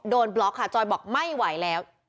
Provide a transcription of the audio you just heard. บล็อกค่ะจอยบอกไม่ไหวแล้ว